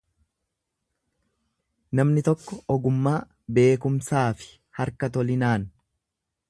namni tokko ogummaa, beekumsaa fi harka-tolinaan